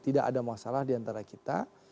tidak ada masalah diantara kita